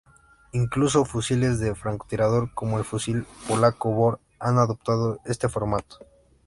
Incluso fusiles de francotirador, como el fusil polaco Bor, han adoptado este formato.